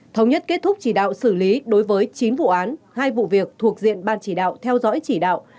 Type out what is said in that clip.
thống nhất kết thúc chỉ đạo xử lý đối với chín vụ án hai vụ việc thuộc diện ban chỉ đạo theo dõi chỉ đạo